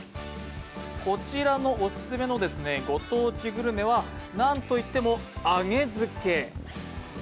こちらのオススメのご当地グルメはなんといってもあげづけ。